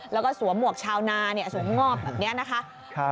แล้วก็สวมหมวกชาวนาสวมงอบแบบนี้นะคะ